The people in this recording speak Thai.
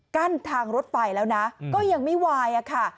กั้นทางรถไฟแล้วนะก็ยังไม่วายค่ะ